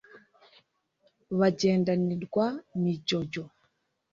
bagendanirwa mijyojyo,